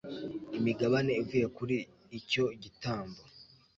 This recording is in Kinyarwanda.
imigabane ivuye kuri icyo gitambo